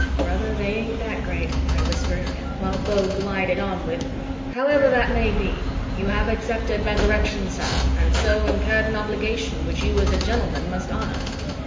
"Brother, they ain't that great," I whispered, while Beau glided on with, "However that may be, you have accepted Resurrection, sir, and so incurred an obligation which you as a gentleman must honor."